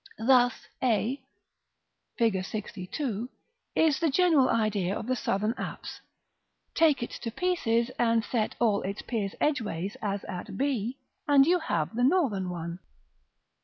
Thus, a, Fig. XLII., is the general idea of the southern apse; take it to pieces, and set all its piers edgeways, as at b, and you have the northern one.